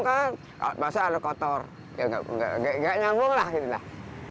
masalahnya ada kotor ya nggak nyambung lah